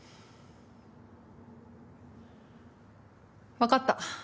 分かった。